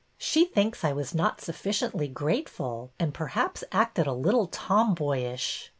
She thinks I was not sufficiently grateful, and perhaps acted a little tom boyish.''